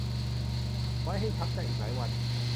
ไว้ให้ช้ำใจอีกหลายวัน